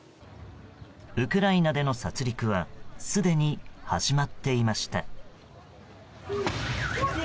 ウクライナでの殺戮はすでに始まっていました。